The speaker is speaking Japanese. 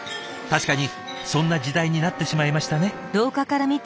確かにそんな時代になってしまいましたね。